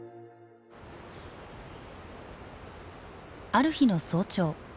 ある日の早朝。